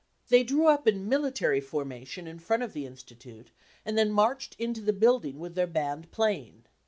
They drew up in military formation in front of the institute, and then marched into the building with their band playing.